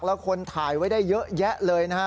แล้วคนถ่ายไว้ได้เยอะแยะเลยนะฮะ